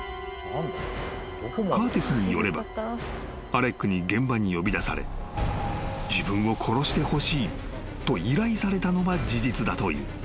［カーティスによればアレックに現場に呼び出され自分を殺してほしいと依頼されたのは事実だという］